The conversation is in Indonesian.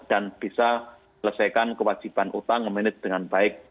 dan bisa selesaikan kewajiban utang memanit dengan baik